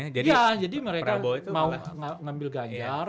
iya jadi mereka mau ngambil ganjar